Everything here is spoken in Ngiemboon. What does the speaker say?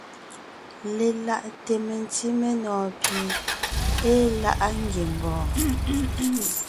Lelaʼte mentí menɔ̀ɔn pie ée láʼa ngiembɔɔn.